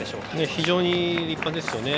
非常に立派ですよね。